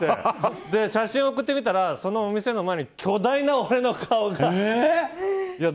写真を送ってもらったらそのお店の前に巨大な俺の顔があって。